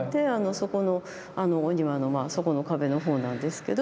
そこのお庭のまあそこの壁の方なんですけど。